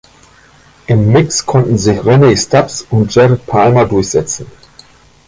Im Mix konnten sich Rennae Stubbs und Jared Palmer durchsetzen.